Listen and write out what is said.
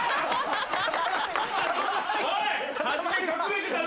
おい！